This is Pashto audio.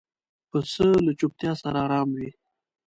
پسه له چوپتیا سره آرام وي.